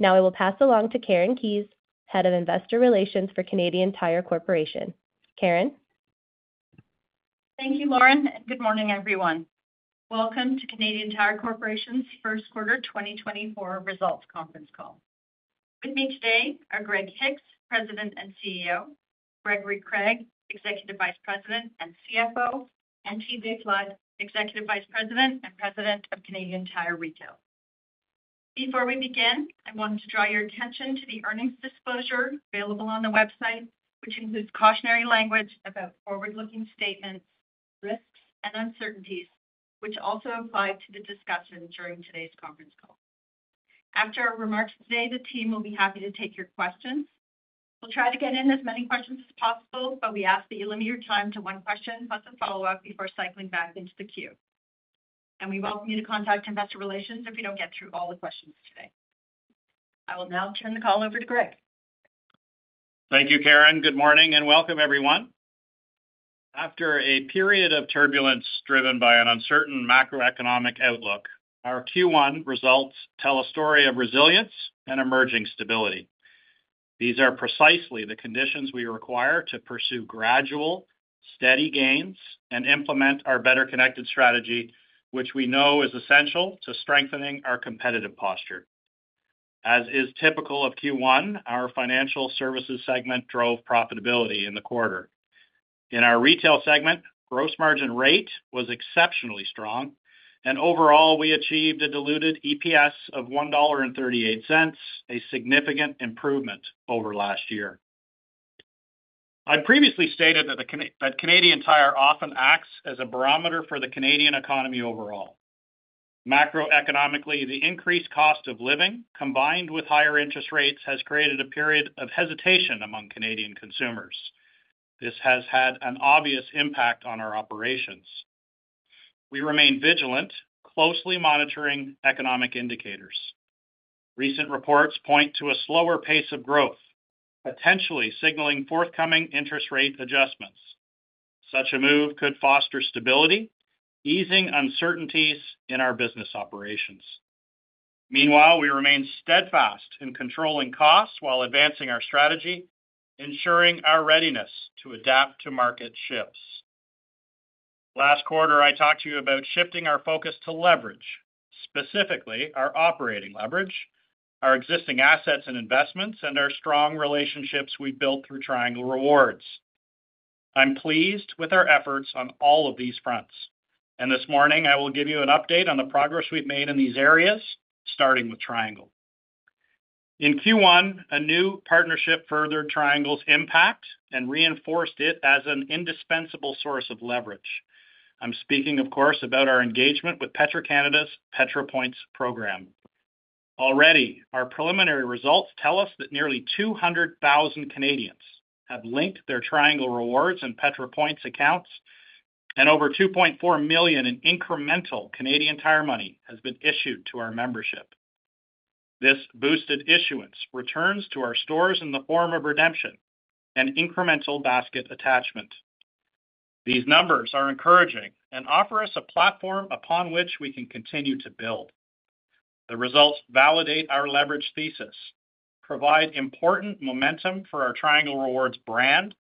Now I will pass along to Karen Keyes, Head of Investor Relations for Canadian Tire Corporation. Karen? Thank you, Lauren, and good morning, everyone. Welcome to Canadian Tire Corporation's Q1 2024 results conference call. With me today are Greg Hicks, President and CEO, Gregory Craig, Executive Vice President and CFO, and TJ Flood, Executive Vice President and President of Canadian Tire Retail. Before we begin, I want to draw your attention to the earnings disclosure available on the website, which includes cautionary language about forward-looking statements, risks, and uncertainties, which also apply to the discussion during today's conference call. After our remarks today, the team will be happy to take your questions. We'll try to get in as many questions as possible, but we ask that you limit your time to one question plus a follow-up before cycling back into the queue. We welcome you to contact Investor Relations if we don't get through all the questions today. I will now turn the call over to Greg. Thank you, Karen. Good morning and welcome, everyone. After a period of turbulence driven by an uncertain macroeconomic outlook, our Q1 results tell a story of resilience and emerging stability. These are precisely the conditions we require to pursue gradual, steady gains and implement our better-connected strategy, which we know is essential to strengthening our competitive posture. As is typical of Q1, our financial services segment drove profitability in the quarter. In our retail segment, gross margin rate was exceptionally strong, and overall we achieved a diluted EPS of 1.38 dollar, a significant improvement over last year. I previously stated that Canadian Tire often acts as a barometer for the Canadian economy overall. Macroeconomically, the increased cost of living combined with higher interest rates has created a period of hesitation among Canadian consumers. This has had an obvious impact on our operations. We remain vigilant, closely monitoring economic indicators. Recent reports point to a slower pace of growth, potentially signaling forthcoming interest rate adjustments. Such a move could foster stability, easing uncertainties in our business operations. Meanwhile, we remain steadfast in controlling costs while advancing our strategy, ensuring our readiness to adapt to market shifts. Last quarter, I talked to you about shifting our focus to leverage, specifically our operating leverage, our existing assets and investments, and our strong relationships we've built through Triangle Rewards. I'm pleased with our efforts on all of these fronts, and this morning I will give you an update on the progress we've made in these areas, starting with Triangle. In Q1, a new partnership furthered Triangle's impact and reinforced it as an indispensable source of leverage. I'm speaking, of course, about our engagement with Petro-Canada's Petro-Points program. Already, our preliminary results tell us that nearly 200,000 Canadians have linked their Triangle Rewards and Petro-Points accounts, and over 2.4 million in incremental Canadian Tire Money has been issued to our membership. This boosted issuance returns to our stores in the form of redemption and incremental basket attachment. These numbers are encouraging and offer us a platform upon which we can continue to build. The results validate our leverage thesis, provide important momentum for our Triangle Rewards brand,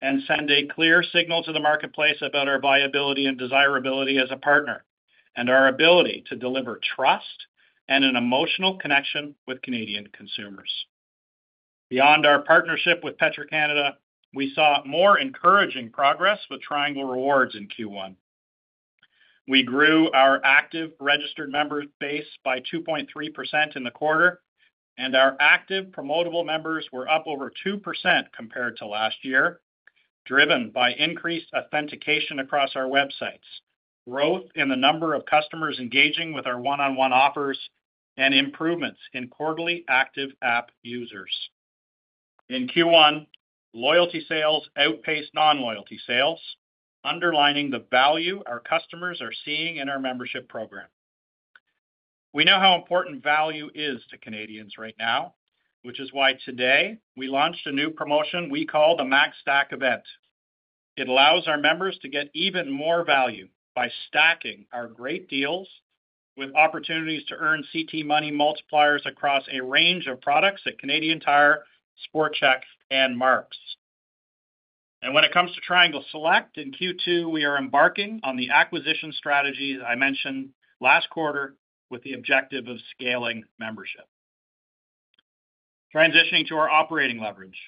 and send a clear signal to the marketplace about our viability and desirability as a partner and our ability to deliver trust and an emotional connection with Canadian consumers. Beyond our partnership with Petro-Canada, we saw more encouraging progress with Triangle Rewards in Q1. We grew our active registered members base by 2.3% in the quarter, and our active promotable members were up over 2% compared to last year, driven by increased authentication across our websites, growth in the number of customers engaging with our one-on-one offers, and improvements in quarterly active app users. In Q1, loyalty sales outpaced non-loyalty sales, underlining the value our customers are seeing in our membership program. We know how important value is to Canadians right now, which is why today we launched a new promotion we call the Max Stack Event. It allows our members to get even more value by stacking our great deals with opportunities to earn Cee Money multipliers across a range of products at Canadian Tire, SportChek, and Mark's. When it comes to Triangle Select, in Q2 we are embarking on the acquisition strategies I mentioned last quarter with the objective of scaling membership. Transitioning to our operating leverage,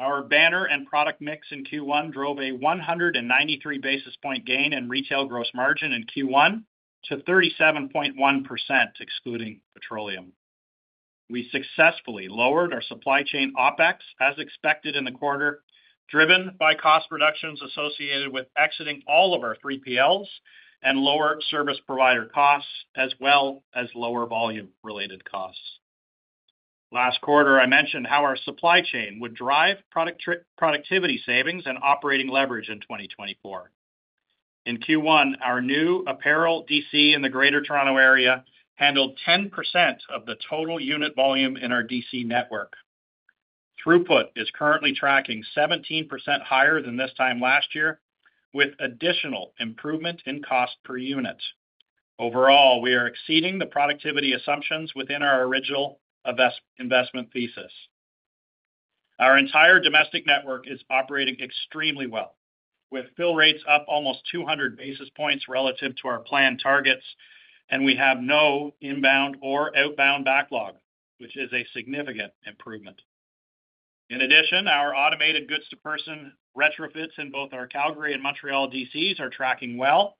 our banner and product mix in Q1 drove a 193 basis point gain in retail gross margin in Q1 to 37.1% excluding petroleum. We successfully lowered our supply chain OpEx as expected in the quarter, driven by cost reductions associated with exiting all of our 3PLs and lower service provider costs as well as lower volume-related costs. Last quarter I mentioned how our supply chain would drive productivity savings and operating leverage in 2024. In Q1, our new apparel DC in the Greater Toronto Area handled 10% of the total unit volume in our DC network. Throughput is currently tracking 17% higher than this time last year, with additional improvement in cost per unit. Overall, we are exceeding the productivity assumptions within our original investment thesis. Our entire domestic network is operating extremely well, with fill rates up almost 200 basis points relative to our planned targets, and we have no inbound or outbound backlog, which is a significant improvement. In addition, our automated goods-to-person retrofits in both our Calgary and Montreal DCs are tracking well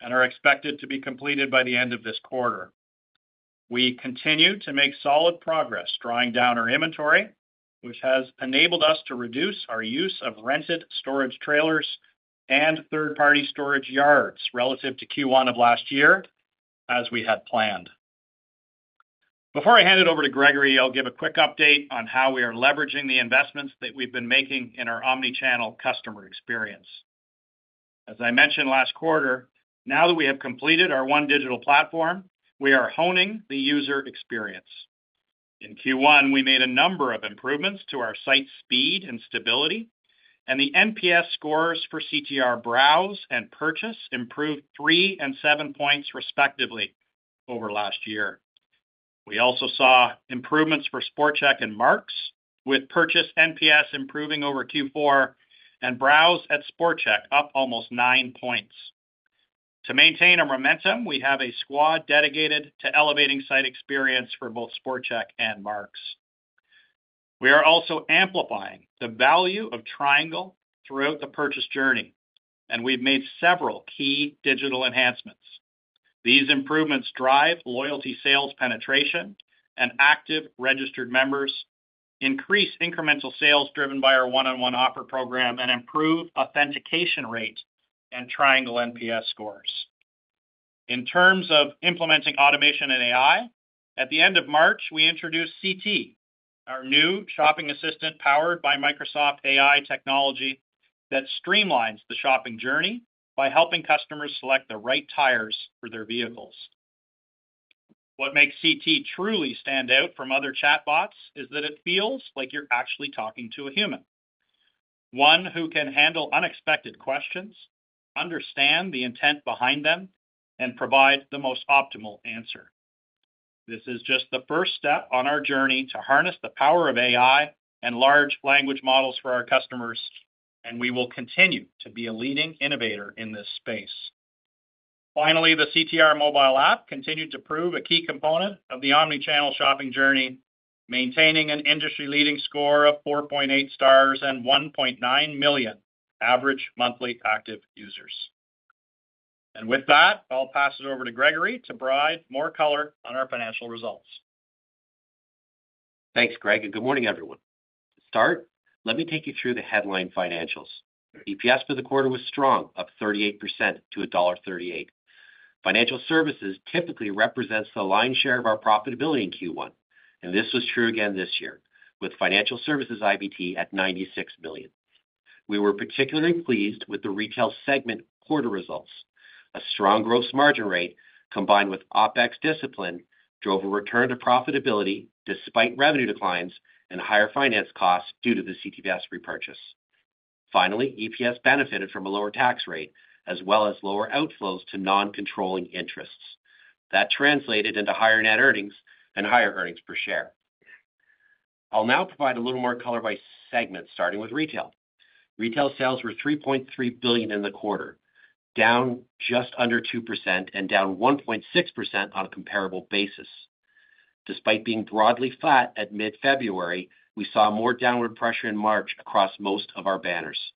and are expected to be completed by the end of this quarter. We continue to make solid progress drawing down our inventory, which has enabled us to reduce our use of rented storage trailers and third-party storage yards relative to Q1 of last year as we had planned. Before I hand it over to Gregory, I'll give a quick update on how we are leveraging the investments that we've been making in our omnichannel customer experience. As I mentioned last quarter, now that we have completed our One Digital Platform, we are honing the user experience. In Q1 we made a number of improvements to our site speed and stability, and the NPS scores for CTR Browse and Purchase improved three and seven points respectively over last year. We also saw improvements for SportChek and Mark's, with Purchase NPS improving over Q4 and Browse at SportChek up almost nine points. To maintain our momentum, we have a squad dedicated to elevating site experience for both SportChek and Mark's. We are also amplifying the value of Triangle throughout the purchase journey, and we've made several key digital enhancements. These improvements drive loyalty sales penetration and active registered members, increase incremental sales driven by our one-on-one offer program, and improve authentication rate and Triangle NPS scores. In terms of implementing automation and AI, at the end of March we introduced Cee, our new shopping assistant powered by Microsoft AI technology that streamlines the shopping journey by helping customers select the right tires for their vehicles. What makes Cee truly stand out from other chatbots is that it feels like you're actually talking to a human-one who can handle unexpected questions, understand the intent behind them, and provide the most optimal answer. This is just the first step on our journey to harness the power of AI and large language models for our customers, and we will continue to be a leading innovator in this space. Finally, the CTR mobile app continued to prove a key component of the omnichannel shopping journey, maintaining an industry-leading score of 4.8 stars and 1.9 million average monthly active users. With that, I'll pass it over to Gregory to provide more color on our financial results. Thanks, Greg, and good morning, everyone. To start, let me take you through the headline financials. EPS for the quarter was strong, up 38% to dollar 1.38. Financial Services typically represents the lion's share of our profitability in Q1, and this was true again this year, with Financial Services IBT at 96 million. We were particularly pleased with the retail segment quarter results. A strong gross margin rate, combined with OpEx discipline, drove a return to profitability despite revenue declines and higher finance costs due to the CeeFS repurchase. Finally, EPS benefited from a lower tax rate as well as lower outflows to non-controlling interests. That translated into higher net earnings and higher earnings per share. I'll now provide a little more color by segment, starting with retail. Retail sales were 3.3 billion in the quarter, down just under 2% and down 1.6% on a comparable basis. Despite being broadly flat at mid-February, we saw more downward pressure in March across most of our banners.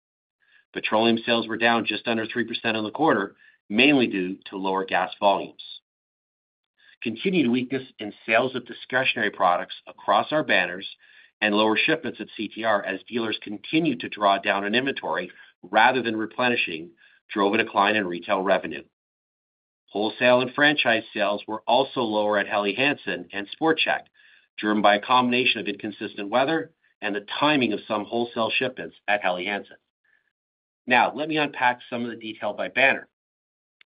Petroleum sales were down just under 3% in the quarter, mainly due to lower gas volumes. Continued weakness in sales of discretionary products across our banners and lower shipments at CTR as dealers continued to draw down in inventory rather than replenishing drove a decline in retail revenue. Wholesale and franchise sales were also lower at Helly Hansen and SportChek, driven by a combination of inconsistent weather and the timing of some wholesale shipments at Helly Hansen. Now, let me unpack some of the detail by banner.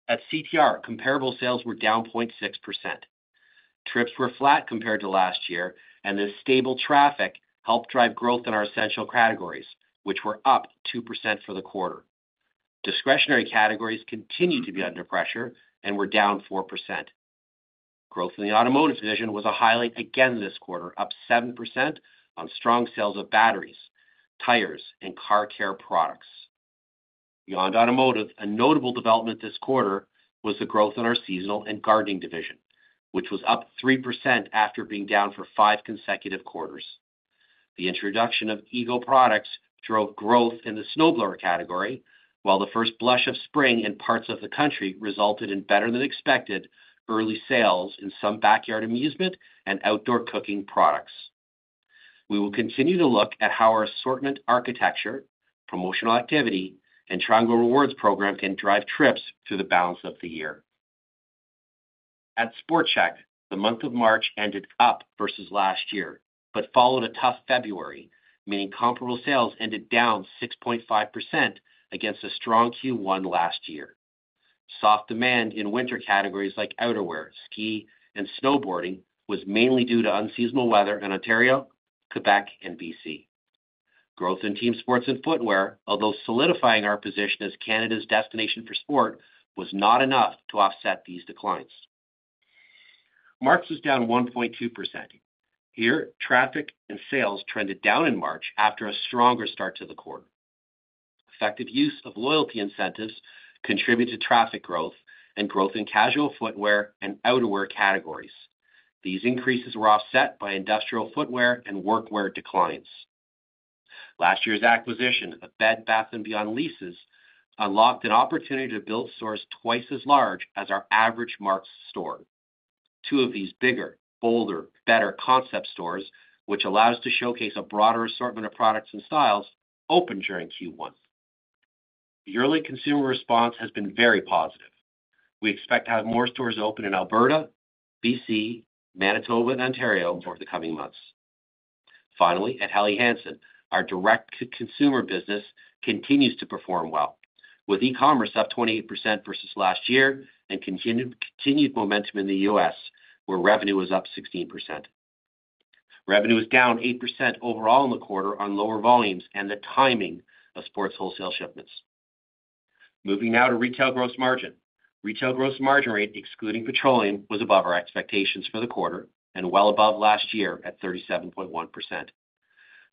At CTR, comparable sales were down 0.6%. Trips were flat compared to last year, and this stable traffic helped drive growth in our essential categories, which were up 2% for the quarter. Discretionary categories continued to be under pressure and were down 4%. Growth in the automotive division was a highlight again this quarter, up 7% on strong sales of batteries, tires, and car care products. Beyond automotive, a notable development this quarter was the growth in our seasonal and gardening division, which was up 3% after being down for five consecutive quarters. The introduction of EGO products drove growth in the snowblower category, while the first blush of spring in parts of the country resulted in better-than-expected early sales in some backyard amusement and outdoor cooking products. We will continue to look at how our assortment architecture, promotional activity, and Triangle Rewards program can drive trips through the balance of the year. At SportChek, the month of March ended up versus last year but followed a tough February, meaning comparable sales ended down 6.5% against a strong Q1 last year. Soft demand in winter categories like outerwear, ski, and snowboarding was mainly due to unseasonal weather in Ontario, Quebec, and BC. Growth in team sports and footwear, although solidifying our position as Canada's destination for sport, was not enough to offset these declines. Mark's was down 1.2%. Here, traffic and sales trended down in March after a stronger start to the quarter. Effective use of loyalty incentives contributed to traffic growth and growth in casual footwear and outerwear categories. These increases were offset by industrial footwear and workwear declines. Last year's acquisition of Bed Bath & Beyond leases unlocked an opportunity to build stores twice as large as our average Mark's store. Two of these bigger, bolder, better concept stores, which allows us to showcase a broader assortment of products and styles, opened during Q1. Early consumer response has been very positive. We expect to have more stores open in Alberta, BC, Manitoba, and Ontario over the coming months. Finally, at Helly Hansen, our direct-to-consumer business continues to perform well, with e-commerce up 28% versus last year and continued momentum in the U.S. where revenue was up 16%. Revenue was down 8% overall in the quarter on lower volumes and the timing of sports wholesale shipments. Moving now to retail gross margin. Retail gross margin rate, excluding petroleum, was above our expectations for the quarter and well above last year at 37.1%.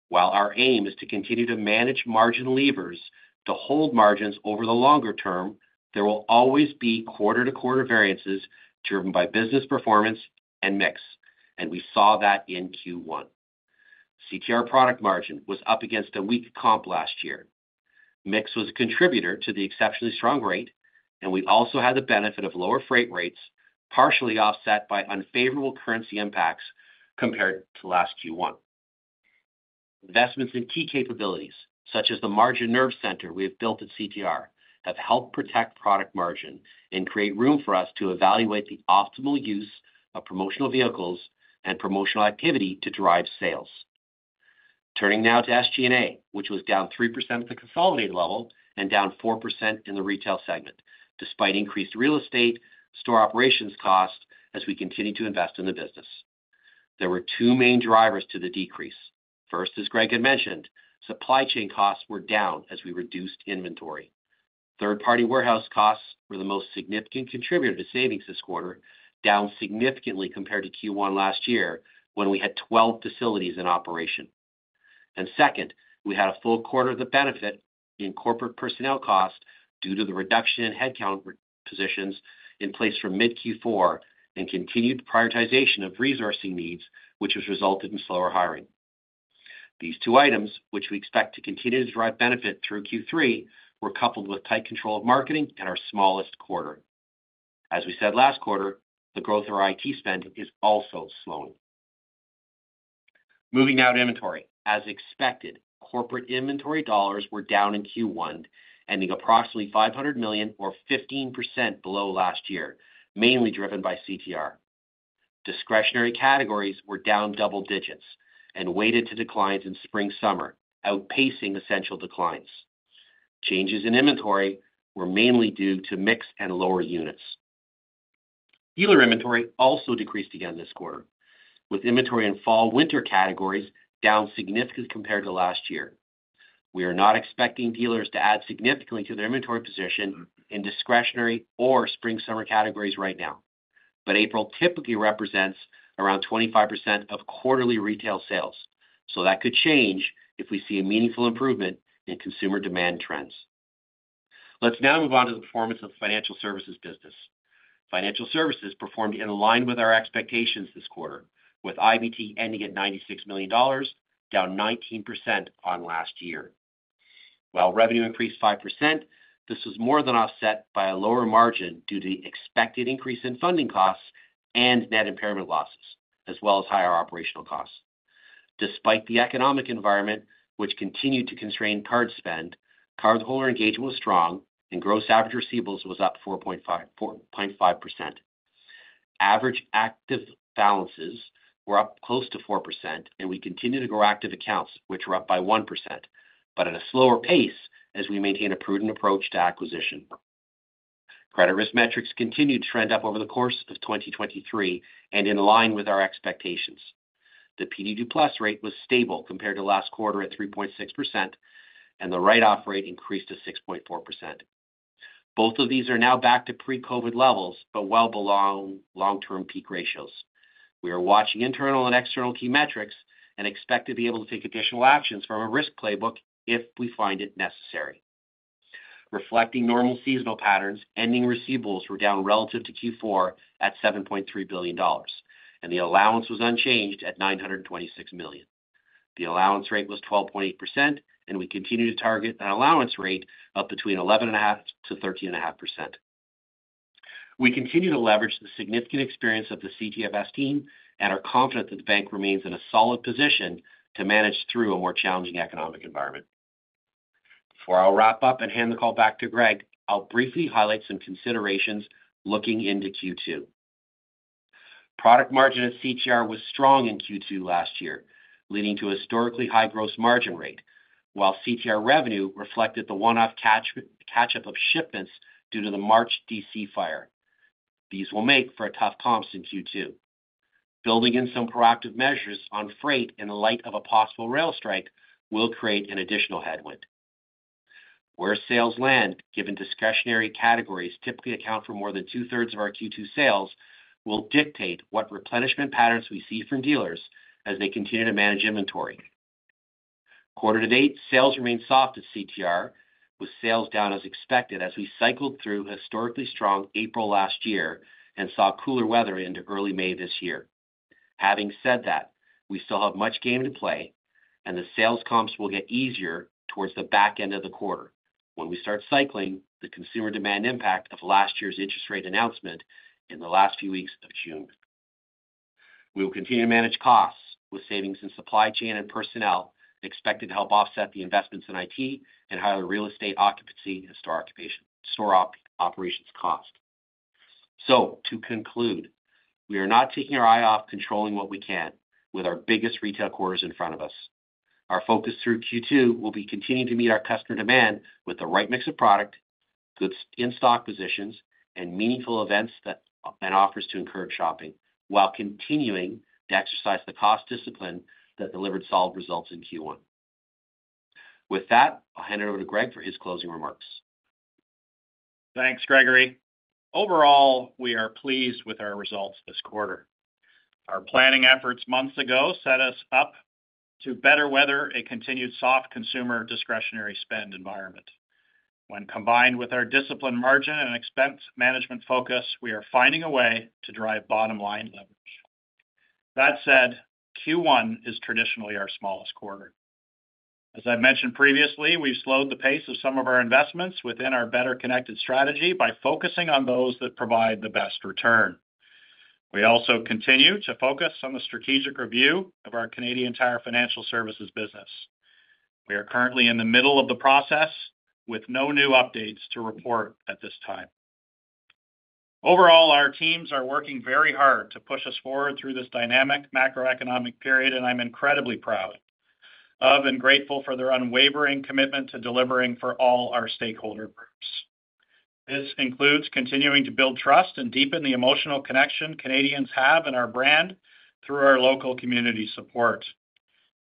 While our aim is to continue to manage margin levers to hold margins over the longer term, there will always be quarter-to-quarter variances driven by business performance and mix, and we saw that in Q1. CTR product margin was up against a weak comp last year. Mix was a contributor to the exceptionally strong rate, and we also had the benefit of lower freight rates partially offset by unfavorable currency impacts compared to last Q1. Investments in key capabilities, such as the margin nerve center we have built at CTR, have helped protect product margin and create room for us to evaluate the optimal use of promotional vehicles and promotional activity to drive sales. Turning now to SG&A, which was down 3% at the consolidated level and down 4% in the retail segment, despite increased real estate store operations costs as we continue to invest in the business. There were two main drivers to the decrease. First, as Greg had mentioned, supply chain costs were down as we reduced inventory. Third-party warehouse costs were the most significant contributor to savings this quarter, down significantly compared to Q1 last year when we had 12 facilities in operation. And second, we had a full quarter of the benefit in corporate personnel cost due to the reduction in headcount positions in place from mid-Q4 and continued prioritization of resourcing needs, which has resulted in slower hiring. These two items, which we expect to continue to drive benefit through Q3, were coupled with tight control of marketing in our smallest quarter. As we said last quarter, the growth of our IT spend is also slowing. Moving now to inventory. As expected, corporate inventory dollars were down in Q1, ending approximately 500 million or 15% below last year, mainly driven by CTR. Discretionary categories were down double digits and weighted to declines in spring/summer, outpacing essential declines. Changes in inventory were mainly due to mix and lower units. Dealer inventory also decreased again this quarter, with inventory in fall/winter categories down significantly compared to last year. We are not expecting dealers to add significantly to their inventory position in discretionary or spring/summer categories right now, but April typically represents around 25% of quarterly retail sales, so that could change if we see a meaningful improvement in consumer demand trends. Let's now move on to the performance of the Financial Services business. Financial Services performed in line with our expectations this quarter, with IBT ending at 96 million dollars, down 19% on last year. While revenue increased 5%, this was more than offset by a lower margin due to the expected increase in funding costs and net impairment losses, as well as higher operational costs. Despite the economic environment, which continued to constrain card spend, cardholder engagement was strong, and gross average receivables was up 4.5%. Average active balances were up close to 4%, and we continue to grow active accounts, which are up by 1%, but at a slower pace as we maintain a prudent approach to acquisition. Credit risk metrics continued to trend up over the course of 2023 and in line with our expectations. The PD2+ rate was stable compared to last quarter at 3.6%, and the write-off rate increased to 6.4%. Both of these are now back to pre-COVID levels but well below long-term peak ratios. We are watching internal and external key metrics and expect to be able to take additional actions from a risk playbook if we find it necessary. Reflecting normal seasonal patterns, ending receivables were down relative to Q4 at 7.3 billion dollars, and the allowance was unchanged at 926 million. The allowance rate was 12.8%, and we continue to target an allowance rate up between 11.5%-13.5%. We continue to leverage the significant experience of the CeeFS team and are confident that the bank remains in a solid position to manage through a more challenging economic environment. Before I'll wrap up and hand the call back to Greg, I'll briefly highlight some considerations looking into Q2. Product margin at CTR was strong in Q2 last year, leading to a historically high gross margin rate, while CTR revenue reflected the one-off catch-up of shipments due to the March DC fire. These will make for a tough comps in Q2. Building in some proactive measures on freight in the light of a possible rail strike will create an additional headwind. Where sales land, given discretionary categories typically account for more than two-thirds of our Q2 sales, will dictate what replenishment patterns we see from dealers as they continue to manage inventory. Quarter to date, sales remain soft at CTR, with sales down as expected as we cycled through historically strong April last year and saw cooler weather into early May this year. Having said that, we still have much game to play, and the sales comps will get easier towards the back end of the quarter when we start cycling the consumer demand impact of last year's interest rate announcement in the last few weeks of June. We will continue to manage costs with savings in supply chain and personnel expected to help offset the investments in IT and higher real estate occupancy and store operations cost. So, to conclude, we are not taking our eye off controlling what we can with our biggest retail quarters in front of us. Our focus through Q2 will be continuing to meet our customer demand with the right mix of product, goods in stock positions, and meaningful events and offers to encourage shopping, while continuing to exercise the cost discipline that delivered solid results in Q1. With that, I'll hand it over to Greg for his closing remarks. Thanks, Gregory. Overall, we are pleased with our results this quarter. Our planning efforts months ago set us up to better weather a continued soft consumer discretionary spend environment. When combined with our discipline margin and expense management focus, we are finding a way to drive bottom-line leverage. That said, Q1 is traditionally our smallest quarter. As I've mentioned previously, we've slowed the pace of some of our investments within our better-connected strategy by focusing on those that provide the best return. We also continue to focus on the strategic review of our Canadian Tire Financial Services business. We are currently in the middle of the process with no new updates to report at this time. Overall, our teams are working very hard to push us forward through this dynamic macroeconomic period, and I'm incredibly proud of and grateful for their unwavering commitment to delivering for all our stakeholder groups. This includes continuing to build trust and deepen the emotional connection Canadians have and our brand through our local community support.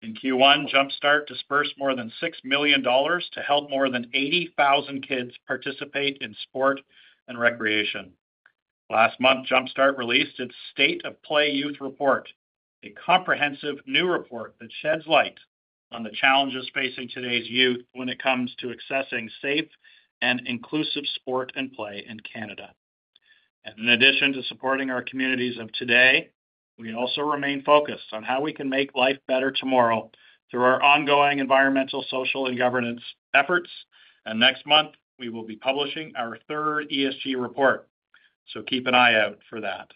In Q1, Jumpstart dispersed more than 6 million dollars to help more than 80,000 kids participate in sport and recreation. Last month, Jumpstart released its State of Play Youth Report, a comprehensive new report that sheds light on the challenges facing today's youth when it comes to accessing safe and inclusive sport and play in Canada. In addition to supporting our communities of today, we also remain focused on how we can make life better tomorrow through our ongoing environmental, social, and governance efforts. Next month, we will be publishing our third ESG report, so keep an eye out for that.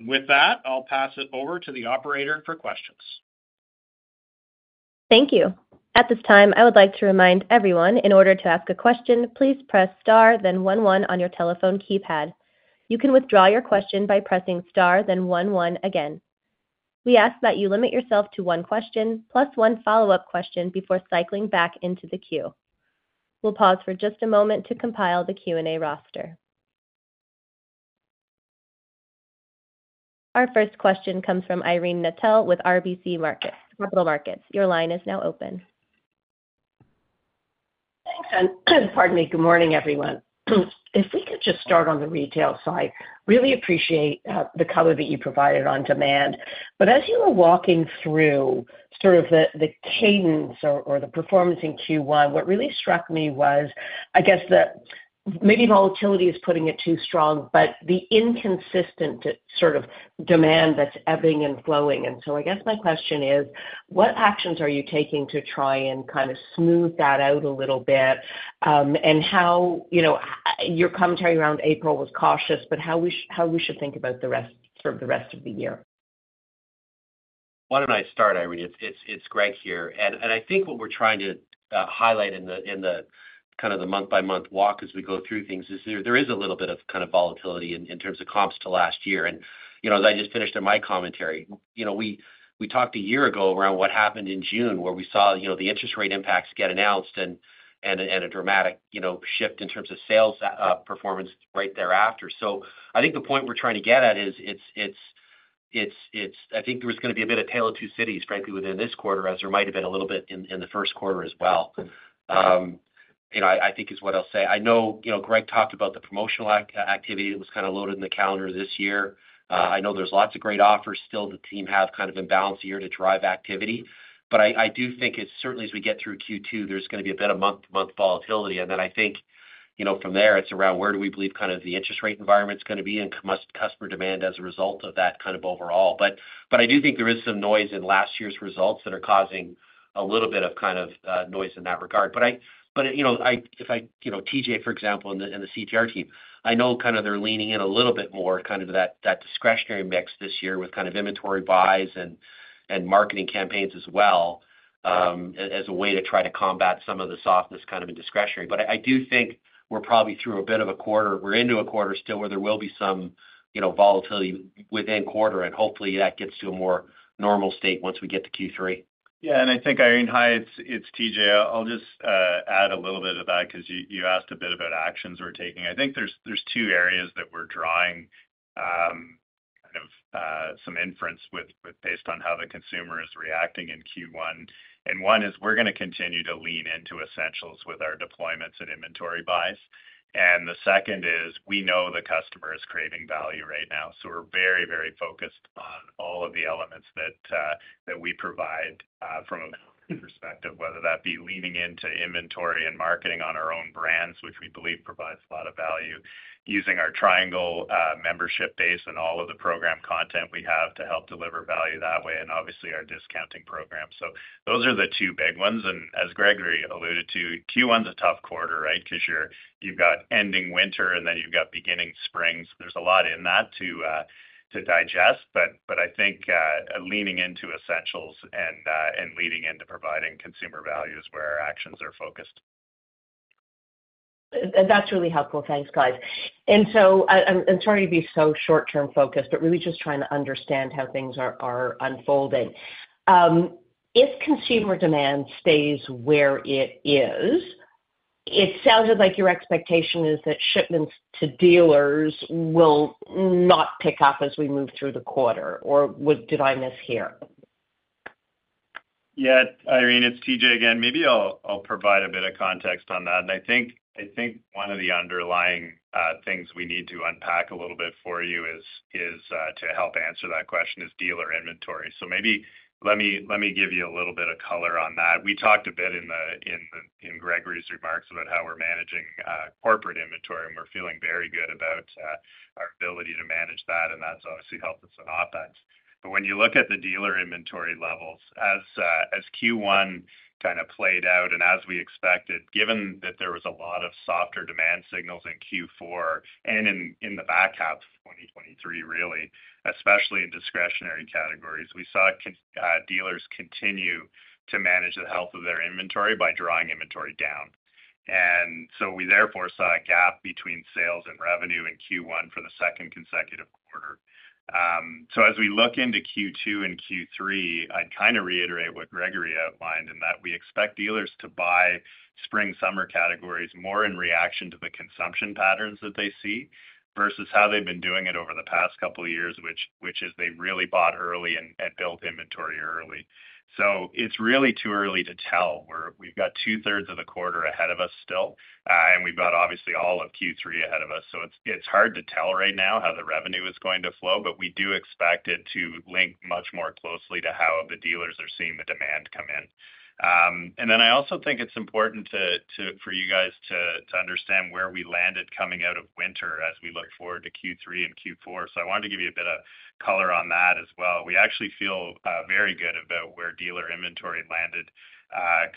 With that, I'll pass it over to the operator for questions. Thank you. At this time, I would like to remind everyone, in order to ask a question, please press star then one one on your telephone keypad. You can withdraw your question by pressing star then one one again. We ask that you limit yourself to one question plus one follow-up question before cycling back into the queue. We'll pause for just a moment to compile the Q&A roster. Our first question comes from Irene Nattel with RBC Capital Markets. Your line is now open. Thanks. Pardon me. Good morning, everyone. If we could just start on the retail side, really appreciate the color that you provided on demand. But as you were walking through sort of the cadence or the performance in Q1, what really struck me was, I guess, the maybe volatility is putting it too strong, but the inconsistent sort of demand that's ebbing and flowing. So I guess my question is, what actions are you taking to try and kind of smooth that out a little bit? Your commentary around April was cautious, but how should we think about the rest of the year? Why don't I start, Irene? It's Greg here. I think what we're trying to highlight in kind of the month-by-month walk as we go through things is there is a little bit of kind of volatility in terms of comps to last year. As I just finished in my commentary, we talked a year ago around what happened in June where we saw the interest rate impacts get announced and a dramatic shift in terms of sales performance right thereafter. I think the point we're trying to get at is, I think there was going to be a bit of tail of two cities, frankly, within this quarter as there might have been a little bit in the Q1 as well. I think is what I'll say. I know Greg talked about the promotional activity that was kind of loaded in the calendar this year. I know there's lots of great offers still, the team have kind of in balance here to drive activity. But I do think it's certainly, as we get through Q2, there's going to be a bit of month-to-month volatility. And then I think from there, it's around where do we believe kind of the interest rate environment's going to be and customer demand as a result of that kind of overall. But I do think there is some noise in last year's results that are causing a little bit of kind of noise in that regard. But if I were TJ, for example, in the CTR team, I know kind of they're leaning in a little bit more kind of to that discretionary mix this year with kind of inventory buys and marketing campaigns as well as a way to try to combat some of the softness kind of in discretionary. But I do think we're probably through a bit of a quarter. We're into a quarter still where there will be some volatility within quarter, and hopefully that gets to a more normal state once we get to Q3. Yeah. And I think, Irene, hi, it's TJ. I'll just add a little bit of that because you asked a bit about actions we're taking. I think there's two areas that we're drawing kind of some inference with based on how the consumer is reacting in Q1. And one is we're going to continue to lean into essentials with our deployments and inventory buys. And the second is we know the customer is craving value right now. So we're very, very focused on all of the elements that we provide from a value perspective, whether that be leaning into inventory and marketing on our own brands, which we believe provides a lot of value, using our Triangle membership base and all of the program content we have to help deliver value that way, and obviously our discounting program. So those are the two big ones. As Gregory alluded to, Q1's a tough quarter, right, because you've got ending winter and then you've got beginning springs. There's a lot in that to digest. I think leaning into essentials and leading into providing consumer value is where our actions are focused. That's really helpful. Thanks, guys. And so I'm sorry to be so short-term focused, but really just trying to understand how things are unfolding. If consumer demand stays where it is, it sounded like your expectation is that shipments to dealers will not pick up as we move through the quarter. Or did I mishear? Yeah, Irene, it's TJ again. Maybe I'll provide a bit of context on that. I think one of the underlying things we need to unpack a little bit for you to help answer that question is dealer inventory. So maybe let me give you a little bit of color on that. We talked a bit in Gregory's remarks about how we're managing corporate inventory, and we're feeling very good about our ability to manage that, and that's obviously helped us in OpEx. But when you look at the dealer inventory levels, as Q1 kind of played out and as we expected, given that there was a lot of softer demand signals in Q4 and in the back half of 2023, really, especially in discretionary categories, we saw dealers continue to manage the health of their inventory by drawing inventory down. We therefore saw a gap between sales and revenue in Q1 for the second consecutive quarter. As we look into Q2 and Q3, I'd kind of reiterate what Gregory outlined in that we expect dealers to buy spring/summer categories more in reaction to the consumption patterns that they see versus how they've been doing it over the past couple of years, which is they really bought early and built inventory early. It's really too early to tell. We've got two-thirds of the quarter ahead of us still, and we've got obviously all of Q3 ahead of us. It's hard to tell right now how the revenue is going to flow, but we do expect it to link much more closely to how the dealers are seeing the demand come in. And then I also think it's important for you guys to understand where we landed coming out of winter as we look forward to Q3 and Q4. So I wanted to give you a bit of color on that as well. We actually feel very good about where dealer inventory landed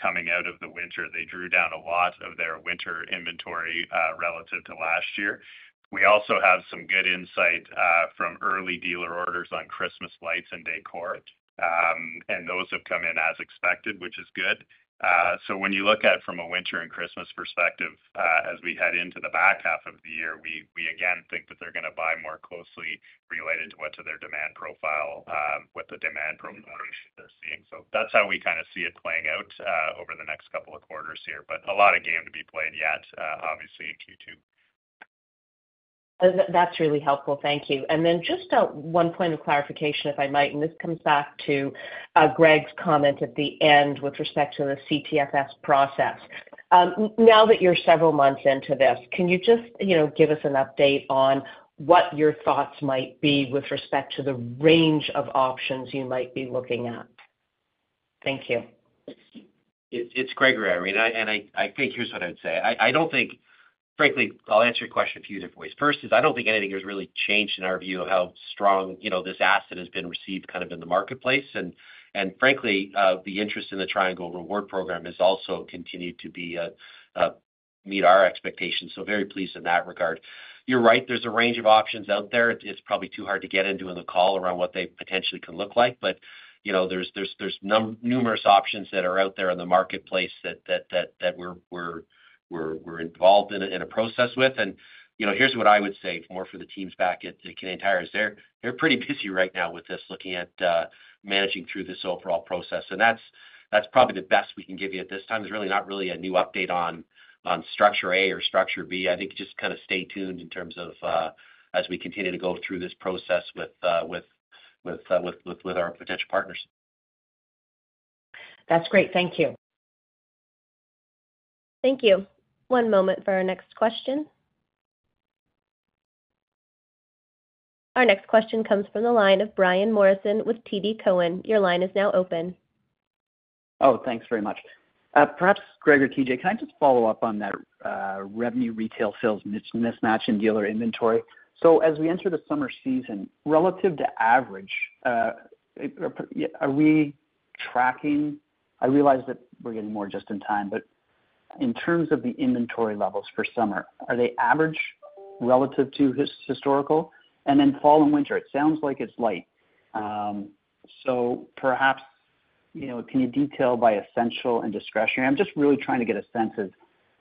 coming out of the winter. They drew down a lot of their winter inventory relative to last year. We also have some good insight from early dealer orders on Christmas lights and décor, and those have come in as expected, which is good. So when you look at from a winter and Christmas perspective as we head into the back half of the year, we again think that they're going to buy more closely related to what's in their demand profile, what the demand profile is that they're seeing. That's how we kind of see it playing out over the next couple of quarters here. A lot of game to be played yet, obviously, in Q2. That's really helpful. Thank you. And then just one point of clarification, if I might, and this comes back to Greg's comment at the end with respect to the CeeFS process. Now that you're several months into this, can you just give us an update on what your thoughts might be with respect to the range of options you might be looking at? Thank you. It's Gregory, Irene. And I think here's what I would say. Frankly, I'll answer your question a few different ways. First is I don't think anything has really changed in our view of how strong this asset has been received kind of in the marketplace. And frankly, the interest in the Triangle Rewards program has also continued to meet our expectations. So very pleased in that regard. You're right. There's a range of options out there. It's probably too hard to get into in the call around what they potentially can look like. But there's numerous options that are out there in the marketplace that we're involved in a process with. And here's what I would say, more for the teams back at Canadian Tire, is they're pretty busy right now with this looking at managing through this overall process. That's probably the best we can give you at this time. There's really not a new update on structure A or structure B. I think just kind of stay tuned in terms of as we continue to go through this process with our potential partners. That's great. Thank you. Thank you. One moment for our next question. Our next question comes from the line of Brian Morrison with TD Cowen. Your line is now open. Oh, thanks very much. Perhaps Gregory, TJ, can I just follow up on that revenue retail sales mismatch in dealer inventory? So as we enter the summer season, relative to average, are we tracking? I realize that we're getting more just in time, but in terms of the inventory levels for summer, are they average relative to historical? And then fall and winter, it sounds like it's light. So perhaps can you detail by essential and discretionary? I'm just really trying to get a sense of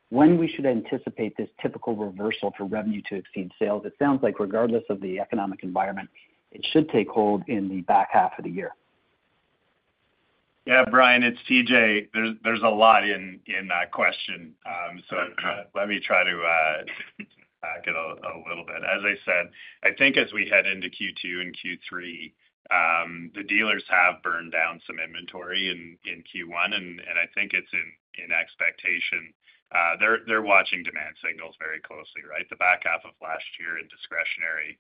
when we should anticipate this typical reversal for revenue to exceed sales. It sounds like regardless of the economic environment, it should take hold in the back half of the year. Yeah, Brian, it's TJ. There's a lot in that question. So let me try to get a little bit. As I said, I think as we head into Q2 and Q3, the dealers have burned down some inventory in Q1, and I think it's in expectation. They're watching demand signals very closely, right? The back half of last year in discretionary,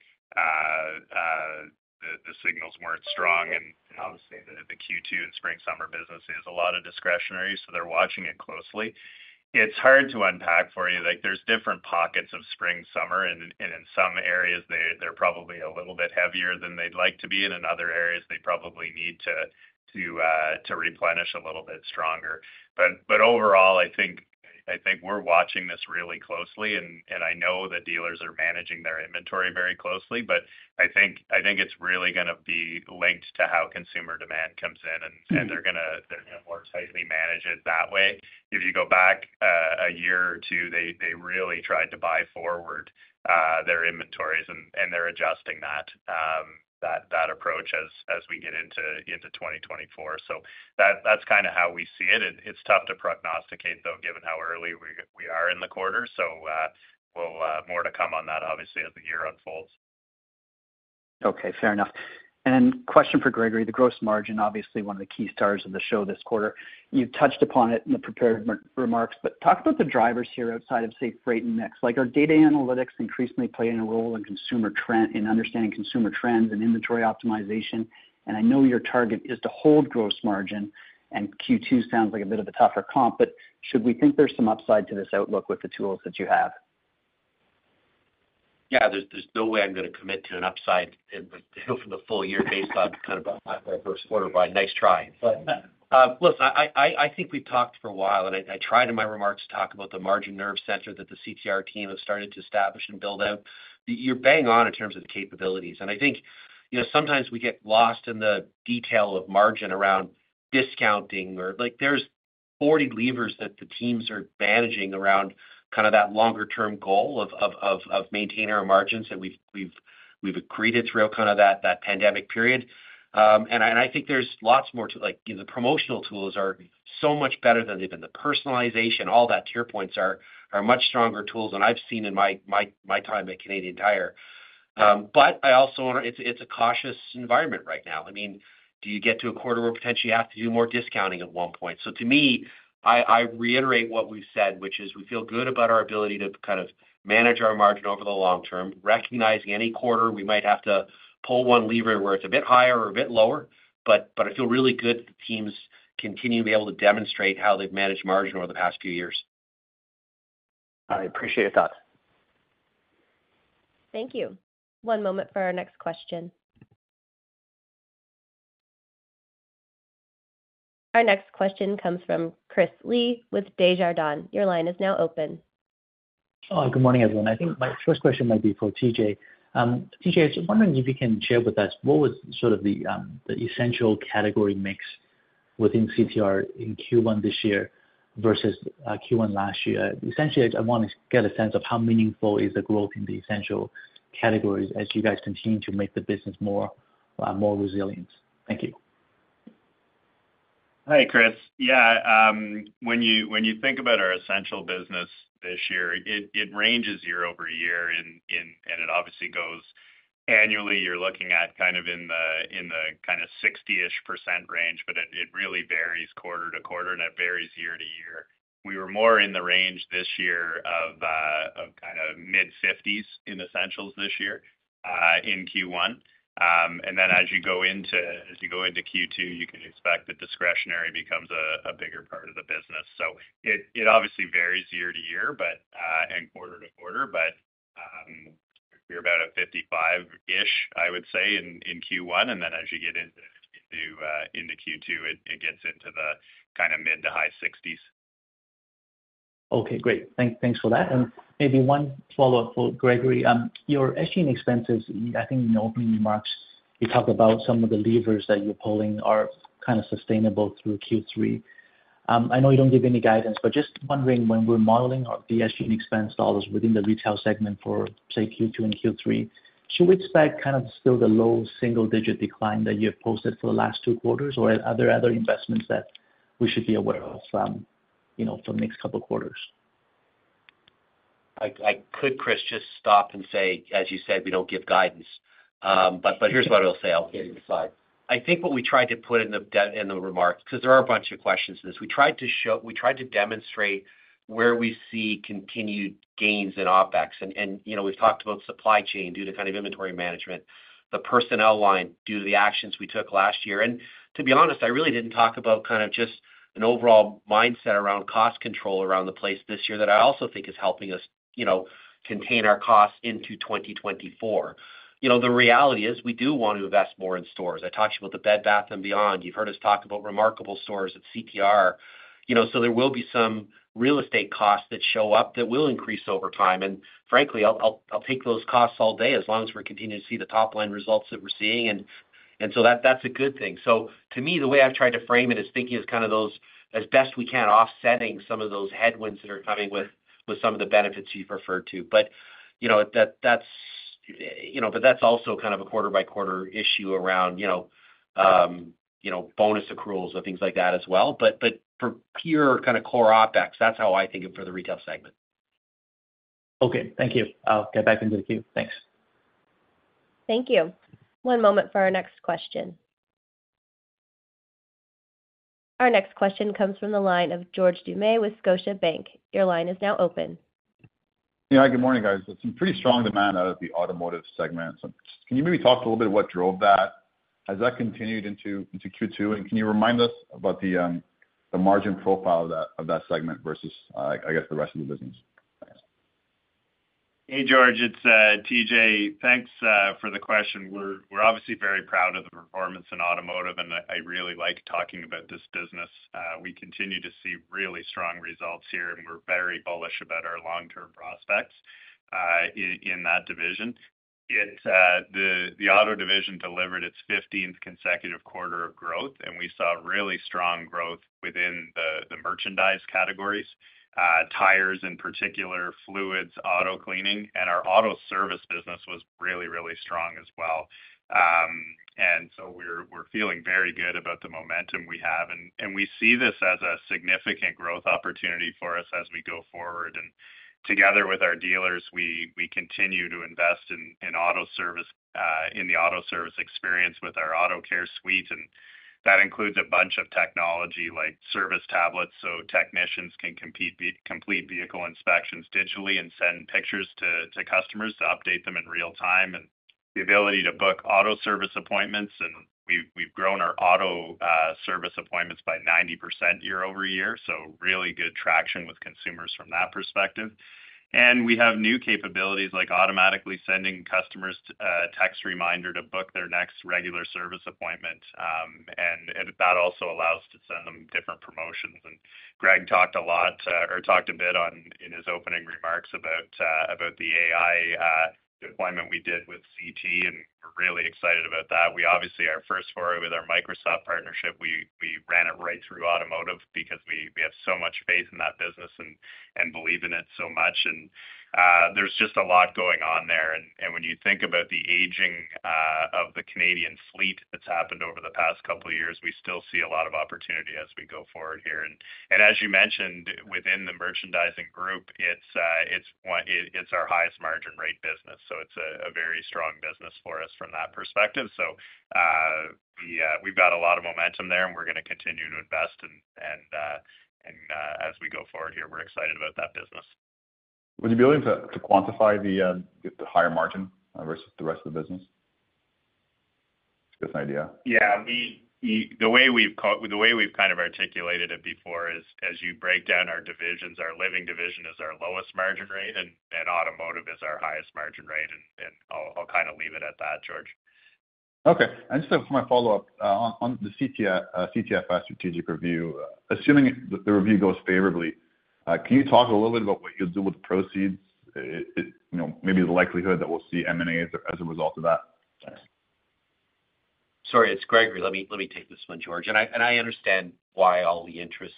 the signals weren't strong. And obviously, the Q2 and spring/summer business is a lot of discretionary, so they're watching it closely. It's hard to unpack for you. There's different pockets of spring/summer, and in some areas, they're probably a little bit heavier than they'd like to be. And in other areas, they probably need to replenish a little bit stronger. But overall, I think we're watching this really closely. I know the dealers are managing their inventory very closely, but I think it's really going to be linked to how consumer demand comes in, and they're going to more tightly manage it that way. If you go back a year or two, they really tried to buy forward their inventories, and they're adjusting that approach as we get into 2024. That's kind of how we see it. It's tough to prognosticate, though, given how early we are in the quarter. More to come on that, obviously, as the year unfolds. Okay. Fair enough. And then question for Gregory, the gross margin, obviously one of the key stars of the show this quarter. You've touched upon it in the prepared remarks, but talk about the drivers here outside of, say, freight and mix. Are data analytics increasingly playing a role in understanding consumer trends and inventory optimization? And I know your target is to hold gross margin, and Q2 sounds like a bit of a tougher comp, but should we think there's some upside to this outlook with the tools that you have? Yeah, there's no way I'm going to commit to an upside from the full year based on kind of a half-year versus quarter by. Nice try. But listen, I think we've talked for a while, and I tried in my remarks to talk about the margin nerve center that the CTR team has started to establish and build out. You're bang on in terms of capabilities. And I think sometimes we get lost in the detail of margin around discounting, or there's 40 levers that the teams are managing around kind of that longer-term goal of maintaining our margins that we've agreed it's real kind of that pandemic period. And I think there's lots more too. The promotional tools are so much better than they've been. The personalization, all that tier points are much stronger tools than I've seen in my time at Canadian Tire. But I also want to, it's a cautious environment right now. I mean, do you get to a quarter where potentially you have to do more discounting at one point? So to me, I reiterate what we've said, which is we feel good about our ability to kind of manage our margin over the long term, recognizing any quarter we might have to pull one lever where it's a bit higher or a bit lower. But I feel really good the teams continue to be able to demonstrate how they've managed margin over the past few years. I appreciate your thoughts. Thank you. One moment for our next question. Our next question comes from Chris Li with Desjardins. Your line is now open. Good morning, everyone. I think my first question might be for TJ. TJ, I was wondering if you can share with us what was sort of the essential category mix within CTR in Q1 this year versus Q1 last year. Essentially, I want to get a sense of how meaningful is the growth in the essential categories as you guys continue to make the business more resilient. Thank you. Hi, Chris. Yeah. When you think about our essential business this year, it ranges year-over-year, and it obviously goes annually. You're looking at kind of in the kind of 60-ish% range, but it really varies quarter-to-quarter, and it varies year-to-year. We were more in the range this year of kind of mid-50s in essentials this year in Q1. And then as you go into Q2, you can expect that discretionary becomes a bigger part of the business. So it obviously varies year-to-year and quarter-to-quarter, but we're about a 55-ish, I would say, in Q1. And then as you get into Q2, it gets into the kind of mid- to high 60s. Okay. Great. Thanks for that. And maybe one follow-up for Gregory. Your SG&A expenses, I think in your opening remarks, you talked about some of the levers that you're pulling are kind of sustainable through Q3. I know you don't give any guidance, but just wondering, when we're modeling the SG&A expense dollars within the retail segment for, say, Q2 and Q3, should we expect kind of still the low single-digit decline that you have posted for the last two quarters, or are there other investments that we should be aware of for the next couple of quarters? I could, Chris, just stop and say, as you said, we don't give guidance. But here's what I'll say. I'll get it beside. I think what we tried to put in the remarks because there are a bunch of questions in this. We tried to show we tried to demonstrate where we see continued gains in OpEx. And we've talked about supply chain due to kind of inventory management, the personnel line due to the actions we took last year. And to be honest, I really didn't talk about kind of just an overall mindset around cost control around the place this year that I also think is helping us contain our costs into 2024. The reality is we do want to invest more in stores. I talked to you about the Bed Bath & Beyond. You've heard us talk about remarkable stores at CTR. So there will be some real estate costs that show up that will increase over time. And frankly, I'll take those costs all day as long as we're continuing to see the top-line results that we're seeing. And so that's a good thing. So to me, the way I've tried to frame it is thinking as kind of those as best we can offsetting some of those headwinds that are coming with some of the benefits you've referred to. But that's also kind of a quarter-by-quarter issue around bonus accruals or things like that as well. But for pure kind of core OpEx, that's how I think of it for the retail segment. Okay. Thank you. I'll get back into the queue. Thanks. Thank you. One moment for our next question. Our next question comes from the line of George Doumet with Scotiabank. Your line is now open. Yeah. Good morning, guys. It's some pretty strong demand out of the automotive segment. Can you maybe talk a little bit of what drove that? Has that continued into Q2? And can you remind us about the margin profile of that segment versus, I guess, the rest of the business? Hey, George. It's TJ. Thanks for the question. We're obviously very proud of the performance in automotive, and I really like talking about this business. We continue to see really strong results here, and we're very bullish about our long-term prospects in that division. The auto division delivered its 15th consecutive quarter of growth, and we saw really strong growth within the merchandise categories. Tires in particular, fluids, auto cleaning, and our auto service business was really, really strong as well. And so we're feeling very good about the momentum we have. And we see this as a significant growth opportunity for us as we go forward. And together with our dealers, we continue to invest in the auto service experience with our auto care suite. That includes a bunch of technology like service tablets so technicians can complete vehicle inspections digitally and send pictures to customers to update them in real time, and the ability to book auto service appointments. We've grown our auto service appointments by 90% year-over-year, so really good traction with consumers from that perspective. We have new capabilities like automatically sending customers a text reminder to book their next regular service appointment. That also allows us to send them different promotions. Greg talked a lot or talked a bit in his opening remarks about the AI deployment we did with Cee, and we're really excited about that. Obviously, our first foray with our Microsoft partnership, we ran it right through automotive because we have so much faith in that business and believe in it so much. There's just a lot going on there. When you think about the aging of the Canadian fleet that's happened over the past couple of years, we still see a lot of opportunity as we go forward here. As you mentioned, within the merchandising group, it's our highest margin rate business. It's a very strong business for us from that perspective. We've got a lot of momentum there, and we're going to continue to invest. As we go forward here, we're excited about that business. Would you be willing to quantify the higher margin versus the rest of the business? That's a good idea. Yeah. The way we've kind of articulated it before is as you break down our divisions, our living division is our lowest margin rate, and automotive is our highest margin rate. I'll kind of leave it at that, George. Okay. And just for my follow-up, on the CeeFS strategic review, assuming the review goes favorably, can you talk a little bit about what you'll do with the proceeds? Maybe the likelihood that we'll see M&As as a result of that. Sorry. It's Gregory. Let me take this one, George. I understand why all the interest.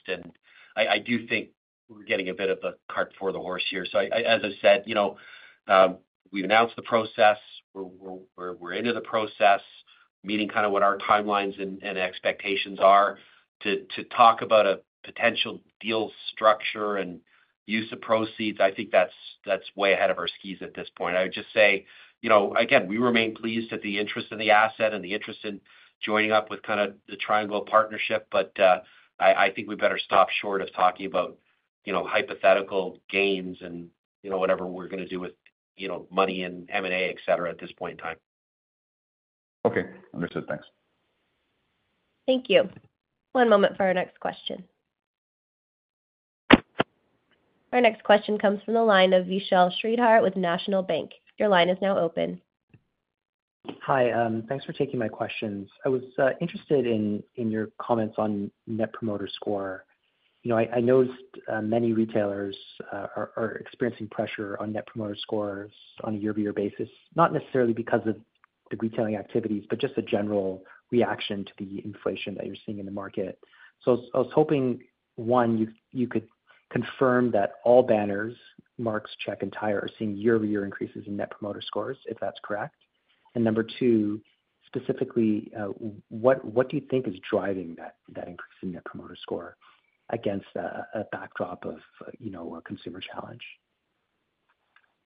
I do think we're getting a bit of a cart before the horse here. As I said, we've announced the process. We're into the process, meeting kind of what our timelines and expectations are to talk about a potential deal structure and use of proceeds. I think that's way ahead of our skis at this point. I would just say, again, we remain pleased at the interest in the asset and the interest in joining up with kind of the triangle partnership. I think we better stop short of talking about hypothetical gains and whatever we're going to do with money and M&A, etc., at this point in time. Okay. Understood. Thanks. Thank you. One moment for our next question. Our next question comes from the line of Vishal Shreedhar with National Bank. Your line is now open. Hi. Thanks for taking my questions. I was interested in your comments on Net Promoter Score. I noticed many retailers are experiencing pressure on Net Promoter Scores on a year-over-year basis, not necessarily because of the retailing activities, but just a general reaction to the inflation that you're seeing in the market. So I was hoping, one, you could confirm that all banners, Mark's, SportChek, and Tire, are seeing year-over-year increases in Net Promoter Scores, if that's correct. And number two, specifically, what do you think is driving that increase in Net Promoter Score against a backdrop of a consumer challenge?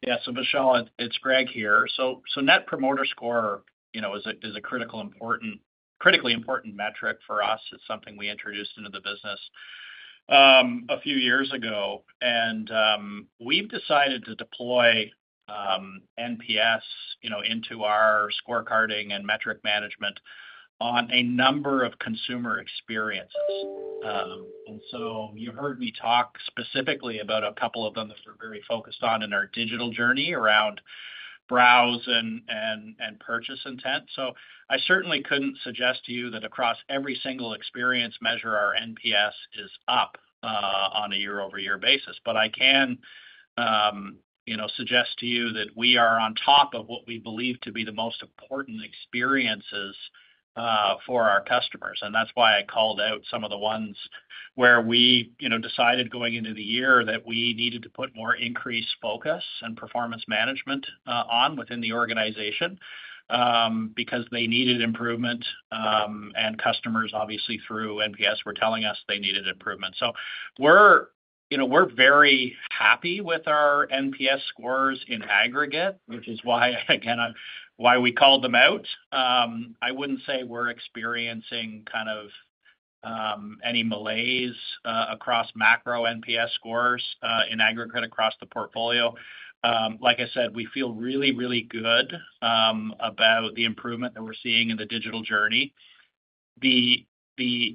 Yeah. So Vishal, it's Greg here. So net promoter score is a critically important metric for us. It's something we introduced into the business a few years ago. And we've decided to deploy NPS into our scorecarding and metric management on a number of consumer experiences. And so you heard me talk specifically about a couple of them that we're very focused on in our digital journey around browse and purchase intent. So I certainly couldn't suggest to you that across every single experience measure, our NPS is up on a year-over-year basis. But I can suggest to you that we are on top of what we believe to be the most important experiences for our customers. And that's why I called out some of the ones where we decided going into the year that we needed to put more increased focus and performance management on within the organization because they needed improvement. And customers, obviously, through NPS were telling us they needed improvement. So we're very happy with our NPS scores in aggregate, which is why, again, why we called them out. I wouldn't say we're experiencing kind of any malaise across macro NPS scores in aggregate across the portfolio. Like I said, we feel really, really good about the improvement that we're seeing in the digital journey. The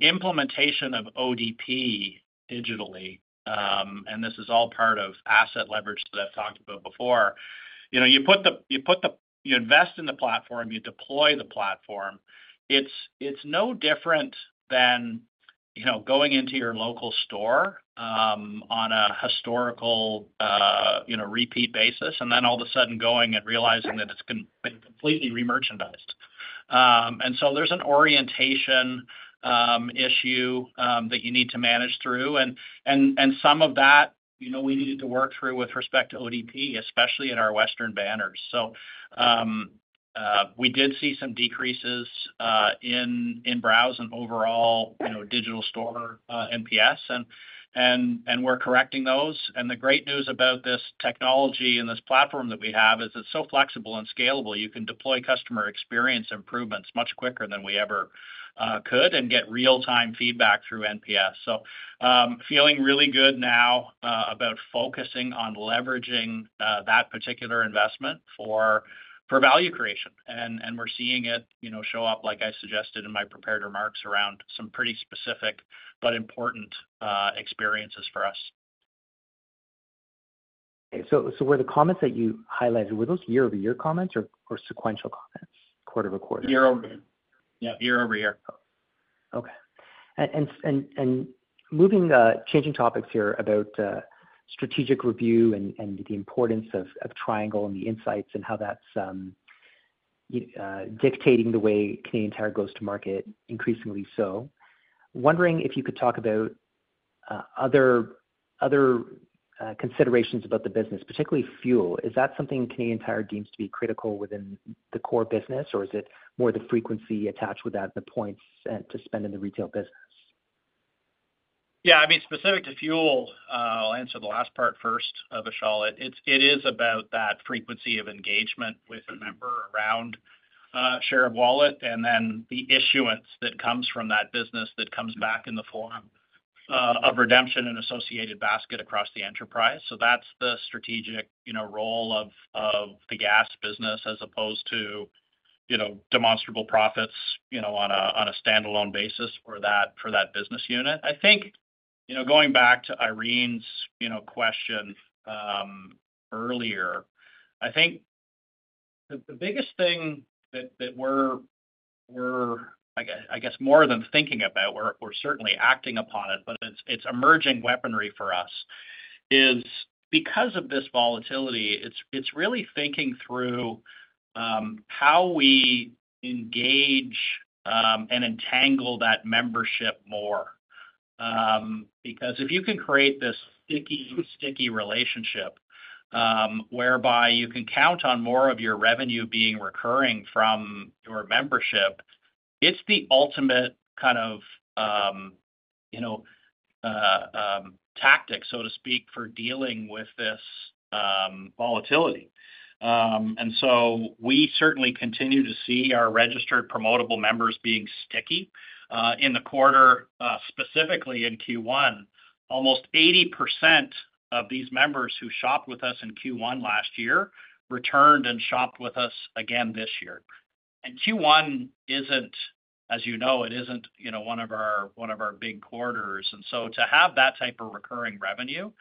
implementation of ODP digitally - and this is all part of asset leverage that I've talked about before - you put the you invest in the platform. You deploy the platform. It's no different than going into your local store on a historical repeat basis and then all of a sudden going and realizing that it's been completely remerchandised. And so there's an orientation issue that you need to manage through. And some of that, we needed to work through with respect to ODP, especially in our Western banners. So we did see some decreases in browse and overall digital store NPS, and we're correcting those. And the great news about this technology and this platform that we have is it's so flexible and scalable. You can deploy customer experience improvements much quicker than we ever could and get real-time feedback through NPS. So feeling really good now about focusing on leveraging that particular investment for value creation. And we're seeing it show up, like I suggested in my prepared remarks, around some pretty specific but important experiences for us. Okay. So were the comments that you highlighted year-over-year comments or sequential comments, QoQ? Year-over-year. Yeah. Year-over-year. Okay. Changing topics here about strategic review and the importance of Triangle and the insights and how that's dictating the way Canadian Tire goes to market, increasingly so, wondering if you could talk about other considerations about the business, particularly fuel. Is that something Canadian Tire deems to be critical within the core business, or is it more the frequency attached with that, the points to spend in the retail business? Yeah. I mean, specific to fuel, I'll answer the last part first, Vishal. It is about that frequency of engagement with a member around share of wallet and then the issuance that comes from that business that comes back in the form of redemption and associated basket across the enterprise. So that's the strategic role of the gas business as opposed to demonstrable profits on a standalone basis for that business unit. I think going back to Irene's question earlier, I think the biggest thing that we're, I guess, more than thinking about, we're certainly acting upon it, but it's emerging weaponry for us, is because of this volatility, it's really thinking through how we engage and entangle that membership more. Because if you can create this sticky, sticky relationship whereby you can count on more of your revenue being recurring from your membership, it's the ultimate kind of tactic, so to speak, for dealing with this volatility. And so we certainly continue to see our registered promotable members being sticky. In the quarter, specifically in Q1, almost 80% of these members who shopped with us in Q1 last year returned and shopped with us again this year. And Q1, as you know, it isn't one of our big quarters. And so to have that type of recurring revenue,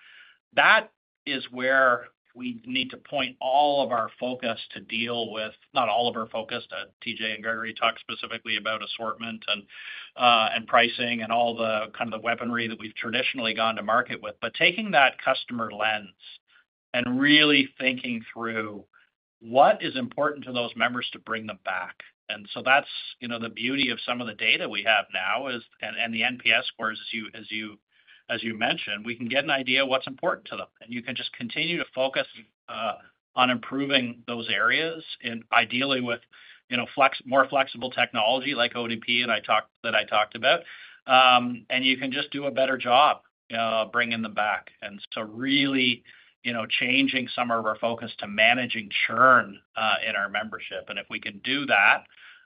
that is where we need to point all of our focus to deal with not all of our focus. TJ and Gregory talked specifically about assortment and pricing and all the kind of the weaponry that we've traditionally gone to market with. But taking that customer lens and really thinking through what is important to those members to bring them back. And so that's the beauty of some of the data we have now and the NPS scores, as you mentioned. We can get an idea of what's important to them, and you can just continue to focus on improving those areas, ideally with more flexible technology like ODP that I talked about. And you can just do a better job bringing them back. And so really changing some of our focus to managing churn in our membership. And if we can do that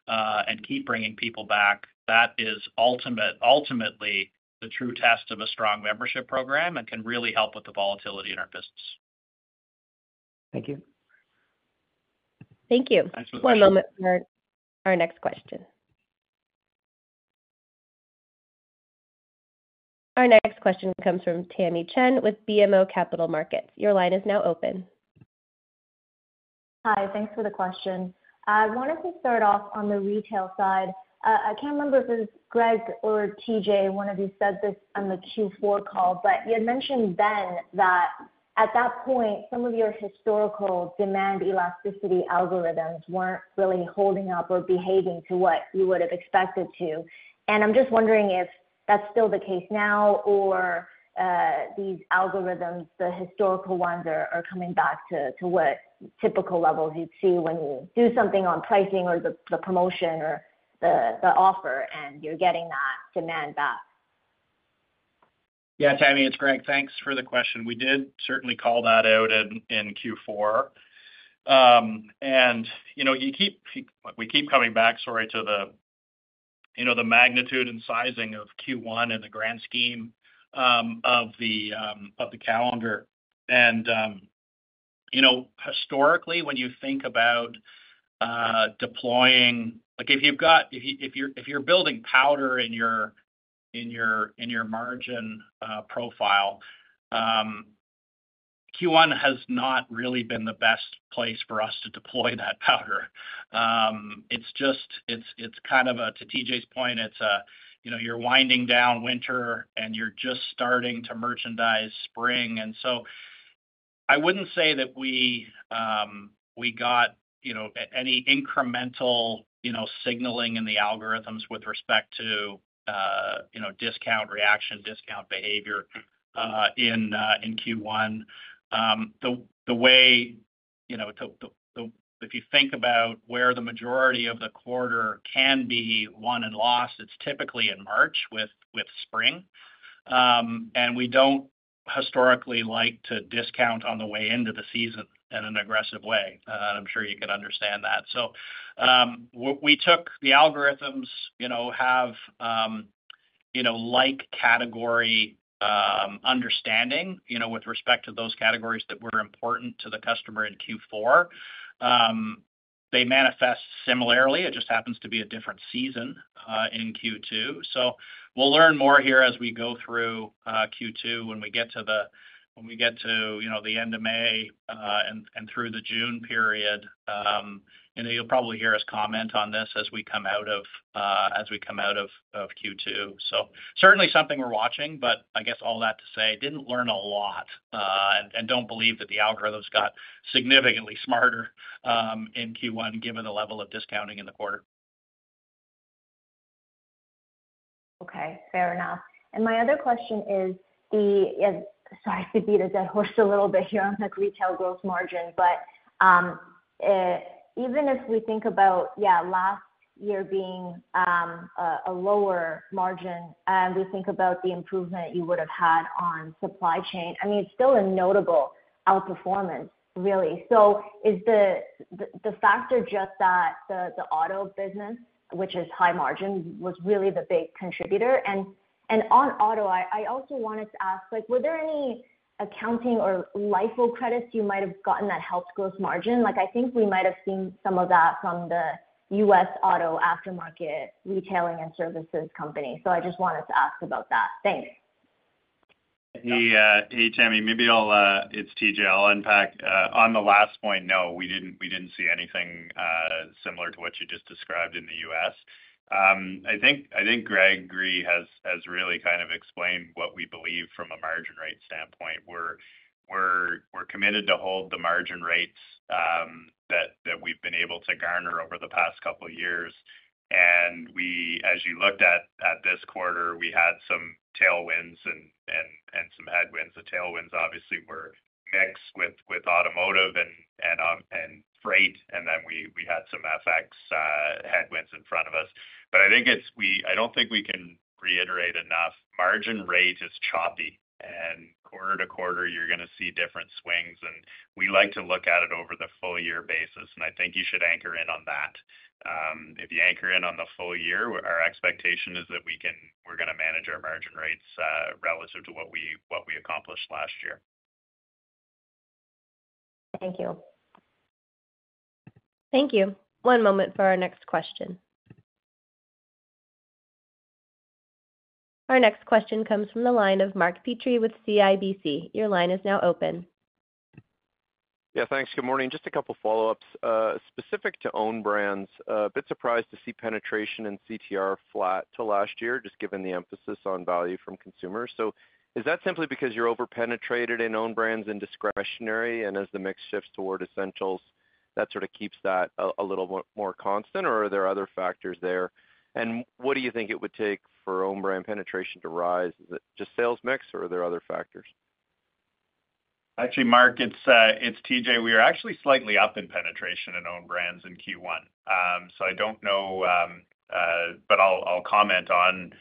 and keep bringing people back, that is ultimately the true test of a strong membership program and can really help with the volatility in our business. Thank you. Thank you. Thanks for the question. One moment for our next question. Our next question comes from Tamy Chen with BMO Capital Markets. Your line is now open. Hi. Thanks for the question. I wanted to start off on the retail side. I can't remember if it was Greg or TJ, one of you, said this on the Q4 call, but you had mentioned then that at that point, some of your historical demand elasticity algorithms weren't really holding up or behaving to what you would have expected to. I'm just wondering if that's still the case now, or these algorithms, the historical ones, are coming back to what typical levels you'd see when you do something on pricing or the promotion or the offer and you're getting that demand back? Yeah, Tamy, it's Greg. Thanks for the question. We did certainly call that out in Q4. And we keep coming back, sorry, to the magnitude and sizing of Q1 and the grand scheme of the calendar. And historically, when you think about deploying if you've got if you're building powder in your margin profile, Q1 has not really been the best place for us to deploy that powder. It's kind of a to TJ's point, you're winding down winter, and you're just starting to merchandise spring. And so I wouldn't say that we got any incremental signaling in the algorithms with respect to discount reaction, discount behavior in Q1. The way if you think about where the majority of the quarter can be won and lost, it's typically in March with spring. And we don't historically like to discount on the way into the season in an aggressive way. And I'm sure you can understand that. So we took the algorithms have like-category understanding with respect to those categories that were important to the customer in Q4. They manifest similarly. It just happens to be a different season in Q2. So we'll learn more here as we go through Q2 when we get to the end of May and through the June period. And you'll probably hear us comment on this as we come out of Q2. So certainly something we're watching. But I guess all that to say, didn't learn a lot. And don't believe that the algorithms got significantly smarter in Q1 given the level of discounting in the quarter. Okay. Fair enough. My other question is sorry to beat a dead horse a little bit here on retail gross margin. Even if we think about, yeah, last year being a lower margin and we think about the improvement you would have had on supply chain I mean, it's still a notable outperformance, really. Is the factor just that the auto business, which is high margin, was really the big contributor? And on auto, I also wanted to ask, were there any accounting or LIFO credits you might have gotten that helped gross margin? I think we might have seen some of that from the U.S. auto aftermarket retailing and services company. So I just wanted to ask about that. Thanks. Hey, Tamy. It's TJ. I'll unpack. On the last point, no, we didn't see anything similar to what you just described in the U.S. I think Gregory has really kind of explained what we believe from a margin rate standpoint. We're committed to hold the margin rates that we've been able to garner over the past couple of years. And as you looked at this quarter, we had some tailwinds and some headwinds. The tailwinds, obviously, were mixed with automotive and freight. And then we had some FX headwinds in front of us. But I think it's I don't think we can reiterate enough. Margin rate is choppy. And quarter to quarter, you're going to see different swings. And we like to look at it over the full-year basis. And I think you should anchor in on that. If you anchor in on the full year, our expectation is that we're going to manage our margin rates relative to what we accomplished last year. Thank you. Thank you. One moment for our next question. Our next question comes from the line of Mark Petrie with CIBC. Your line is now open. Yeah. Thanks. Good morning. Just a couple of follow-ups. Specific to own brands, a bit surprised to see penetration in CTR flat to last year, just given the emphasis on value from consumers. So is that simply because you're over-penetrated in own brands and discretionary? And as the mix shifts toward essentials, that sort of keeps that a little more constant? Or are there other factors there? And what do you think it would take for own brand penetration to rise? Is it just sales mix, or are there other factors? Actually, Mark, it's TJ. We are actually slightly up in penetration in own brands in Q1. So I don't know but I'll comment on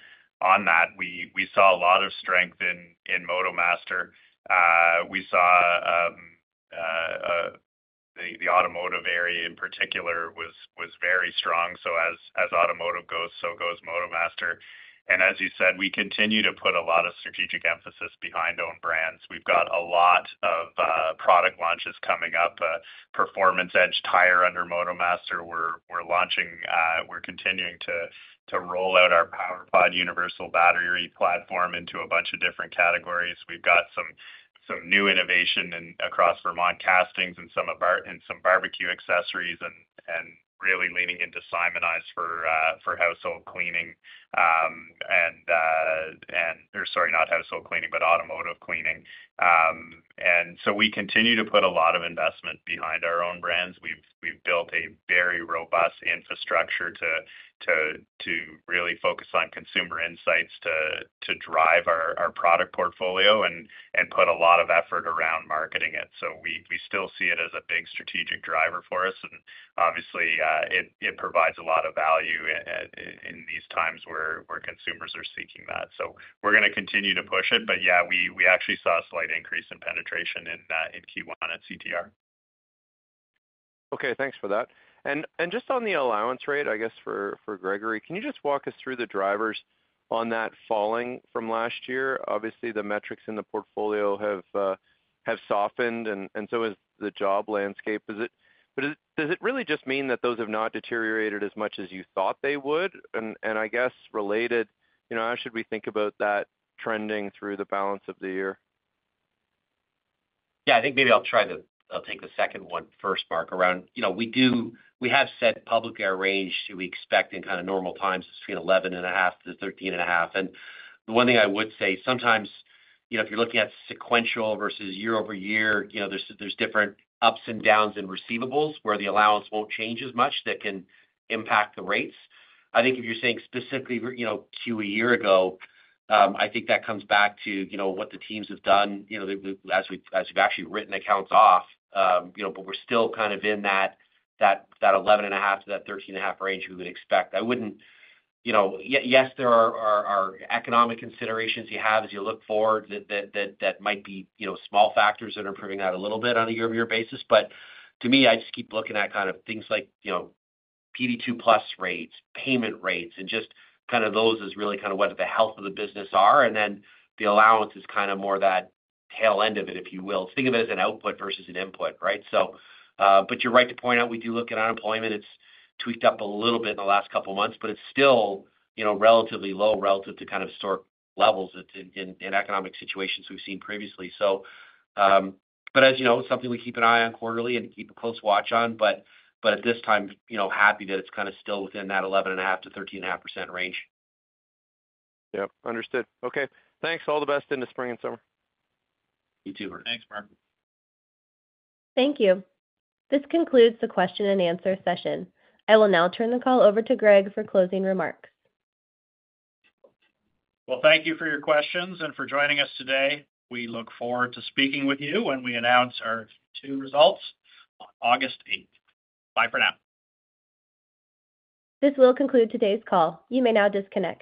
that. We saw a lot of strength in MotoMaster. We saw the automotive area in particular was very strong. So as automotive goes, so goes MotoMaster. And as you said, we continue to put a lot of strategic emphasis behind own brands. We've got a lot of product launches coming up. Performance Edge Tire under MotoMaster, we're continuing to roll out our PWR POD universal battery platform into a bunch of different categories. We've got some new innovation across Vermont Castings and some barbecue accessories and really leaning into Simoniz for household cleaning and or sorry, not household cleaning, but automotive cleaning. And so we continue to put a lot of investment behind our own brands. We've built a very robust infrastructure to really focus on consumer insights to drive our product portfolio and put a lot of effort around marketing it. So we still see it as a big strategic driver for us. And obviously, it provides a lot of value in these times where consumers are seeking that. So we're going to continue to push it. But yeah, we actually saw a slight increase in penetration in Q1 at CTR. Okay. Thanks for that. And just on the allowance rate, I guess, for Gregory, can you just walk us through the drivers on that falling from last year? Obviously, the metrics in the portfolio have softened. And so has the job landscape. But does it really just mean that those have not deteriorated as much as you thought they would? And I guess related, how should we think about that trending through the balance of the year? Yeah. I think maybe I'll take the second one first, Mark, around we have said publicly aired range that we expect in kind of normal times between 11.5-13.5. And the one thing I would say, sometimes if you're looking at sequential versus year-over-year, there's different ups and downs in receivables where the allowance won't change as much that can impact the rates. I think if you're saying specifically Q1 a year ago, I think that comes back to what the teams have done as we've actually written accounts off. But we're still kind of in that 11.5-13.5 range we would expect. I wouldn't yes, there are economic considerations you have as you look forward that might be small factors that are improving that a little bit on a year-over-year basis. But to me, I just keep looking at kind of things like PD2+ rates, payment rates, and just kind of those as really kind of what the health of the business are. And then the allowance is kind of more that tail end of it, if you will. Think of it as an output versus an input, right? But you're right to point out we do look at unemployment. It's tweaked up a little bit in the last couple of months, but it's still relatively low relative to kind of historic levels in economic situations we've seen previously. But as you know, it's something we keep an eye on quarterly and keep a close watch on. But at this time, happy that it's kind of still within that 11.5%-13.5% range. Yep. Understood. Okay. Thanks. All the best into spring and summer. You too, Mark. Thanks, Mark. Thank you. This concludes the question and answer session. I will now turn the call over to Greg for closing remarks. Well, thank you for your questions and for joining us today. We look forward to speaking with you when we announce our Q2 star results on August 8th. Bye for now. This will conclude today's call. You may now disconnect.